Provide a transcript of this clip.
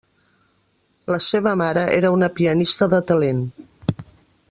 La seva mare era una pianista de talent.